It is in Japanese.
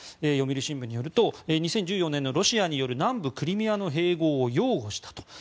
読売新聞によると２０１４年のロシアによる南部クリミアの併合を擁護したと。